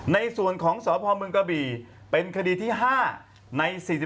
ในส่วนของสพเมืองกระบี่เป็นคดีที่๕ใน๔๔